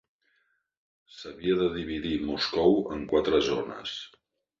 S'havia de dividir Moscou en quatre zones.